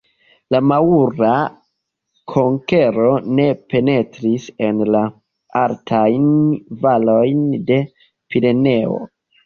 La maŭra konkero ne penetris en la altajn valojn de Pireneoj.